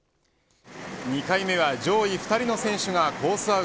２回目は上位２人の選手がコース